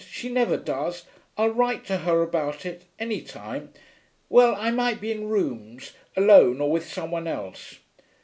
She never does. I'll write to her about it, any time.... Well, I might be in rooms alone or with some one else.'